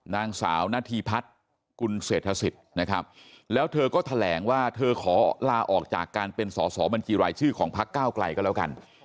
นางสาวนาธีพัฒน์กุลเศรษฐศิษย์นะครับแล้วเธอก็แถลงว่าเธอขอลาออกจากการเป็นสอสอบัญชีรายชื่อของพักเก้าไกลก็แล้วกัน